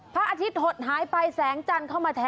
พระอาทิตย์หดหายไปแสงจันทร์เข้ามาแท้